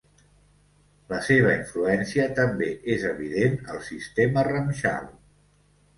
La seva influència també és evident al sistema Ramchal.